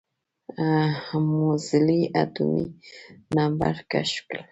موزلي اتومي نمبر کشف کړه.